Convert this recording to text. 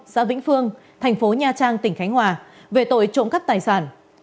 xã vĩnh phương thành phố nha trang tỉnh khánh hòa về tội trộm cắp tài sản